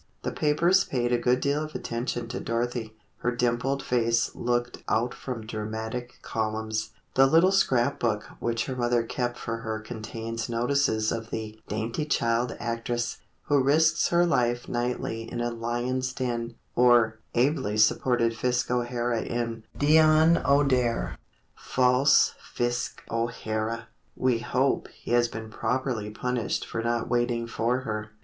The papers paid a good deal of attention to Dorothy. Her dimpled face looked out from dramatic columns; the little scrapbook which her mother kept for her contains notices of the "dainty child actress, who risks her life nightly in a lions' den," or "ably supported Fisk O'Hara in 'Dion O'Dare.'" False Fisk O'Hara! We hope he has been properly punished for not waiting for her.